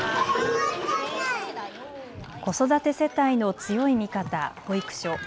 子育て世帯の強い味方保育所。